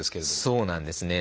そうなんですね。